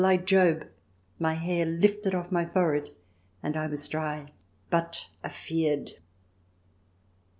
ix like Job, my hair lifted off my forehead, and I was dry — but afeard.